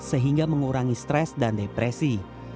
sehingga mengurangi stres dan depresi